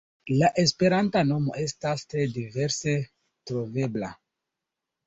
La esperanta nomo estas tre diverse trovebla.